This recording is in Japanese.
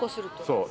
そう。